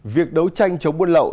việc đấu tranh chống buôn lậu